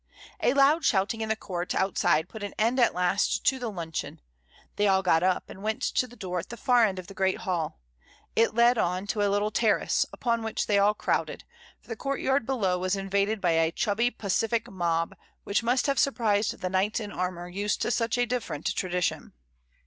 A loud shouting in the court outside put an end at last to the luncheon: they all got up, and went to the door at the far end of the great hall; it led on to a little terrace, upon which they all crowded, for the courtyard below was invaded by a chubby pacific mob which must have surprised the knights in armour used to such a different tradition.